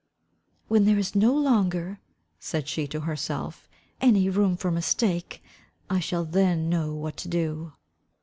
"When there is no longer," said she to herself, "any room for mistake, I shall then know what to do."